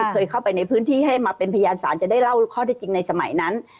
เคยเข้าไปในพื้นที่ให้มาเป็นพยานศาลจะได้เล่าข้อที่จริงในสมัยนั้น